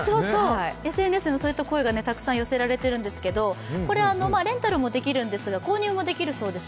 ＳＮＳでもそういった声がたくさん寄せられているんですが、レンタルもできるんですが、購入もできるそうです。